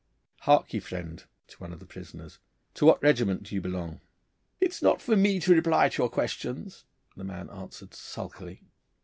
Hark ye, friend' to one of the prisoners 'to what regiment do you belong?' 'It is not for me to reply to your questions,' the man answered sulkily.